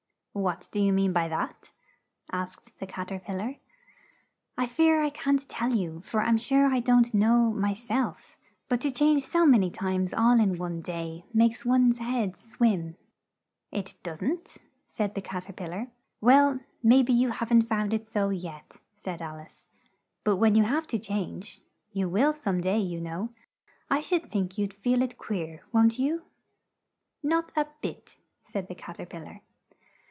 "What do you mean by that?" asked the Cat er pil lar. "I fear I can't tell you, for I'm sure I don't know, my self; but to change so man y times all in one day, makes one's head swim." "It doesn't," said the Cat er pil lar. "Well, may be you haven't found it so yet," said Al ice, "but when you have to change you will some day, you know I should think you'd feel it queer, won't you?" "Not a bit," said the Cat er pil lar.